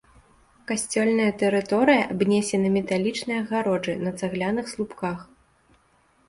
Касцёльная тэрыторыя абнесена металічнай агароджай на цагляных слупках.